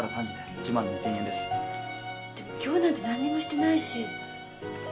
でも今日なんて何にもしてないし。